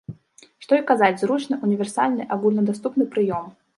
Што і казаць, зручны, універсальны, агульнадаступны прыём.